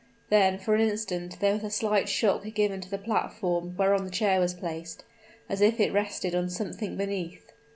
Then, for an instant there was a slight shock given to the platform whereon the chair was placed as if it rested on something beneath.